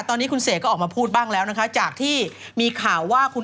ตอนนี้คุณเสกก็ออกมาพูดบ้างแล้วนะคะจากที่มีข่าวว่าคุณ